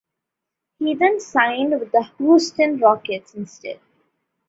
He then signed with the Houston Rockets instead.